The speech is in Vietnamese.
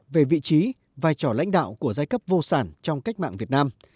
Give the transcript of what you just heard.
về vị trí vai trò lãnh đạo của giai cấp vô sản trong cách mạng việt nam